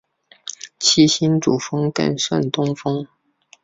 七星主峰更胜东峰